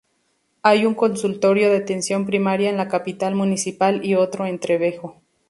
Hay un consultorio de atención primaria en la capital municipal y otro en Trevejo.